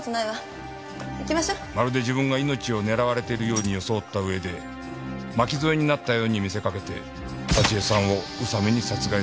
まるで自分が命を狙われているように装った上で巻き添えになったように見せかけて沙知絵さんを宇佐美に殺害させた。